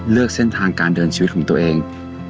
เส้นทางการเดินชีวิตของตัวเอง